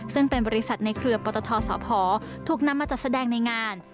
ซึ่งเป็นบริษัทในเครือปตทสพถูกนำมาจัดแสดงในงาน